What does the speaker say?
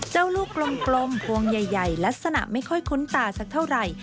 ลูกกลมพวงใหญ่ลักษณะไม่ค่อยคุ้นตาสักเท่าไหร่